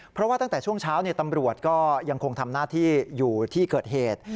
เพราะว่าตั้งแต่ช่วงเช้าตำรวจก็ยังคงทำหน้าที่อยู่ที่เกิดเหตุ